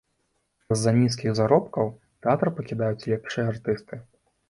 З-за нізкіх заробкаў тэатр пакідаюць лепшыя артысты.